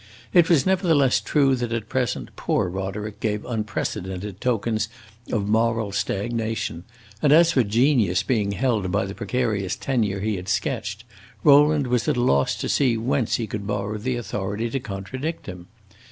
It was nevertheless true that at present poor Roderick gave unprecedented tokens of moral stagnation, and as for genius being held by the precarious tenure he had sketched, Rowland was at a loss to see whence he could borrow the authority to contradict him.